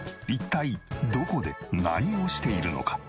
一体どこで何をしているのか？